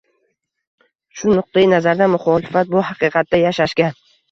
Shu nuqtai nazardan, muxolifat bu “haqiqatda yashashga”